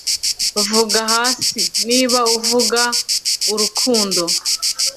vuga hasi, niba uvuga urukundo